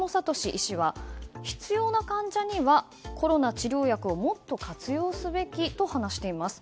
医師は、必要な患者にはコロナ治療薬をもっと活用すべきと話しています。